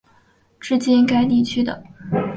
至今该地区的叛乱军还是活跃。